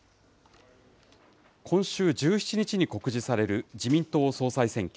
今週１７日に告示される自民党総裁選挙。